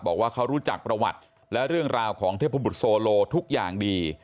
บอกว่าเขารู้จักประวัติและเรื่องราวของเทพบุตรโซโลทุกอย่างดี